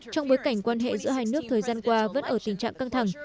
trong bối cảnh quan hệ giữa hai nước thời gian qua vẫn ở tình trạng căng thẳng